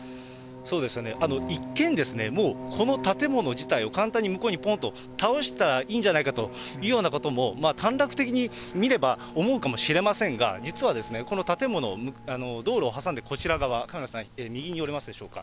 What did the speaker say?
そうですね、一見、もうこの建物自体を簡単に向こうにぽんっと倒したらいいんじゃないかというようなことも短絡的に見れば思うかもしれませんが、実はこの建物を、道路を挟んでこちら側、カメラさん、右に寄れますでしょうか？